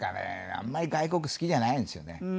あんまり外国好きじゃないんですよね。